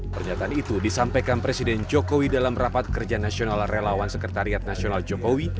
pernyataan itu disampaikan presiden jokowi dalam rapat kerja nasional relawan sekretariat nasional jokowi